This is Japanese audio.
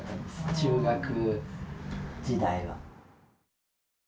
中学時代は。